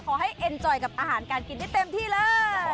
เอ็นจอยกับอาหารการกินได้เต็มที่เลย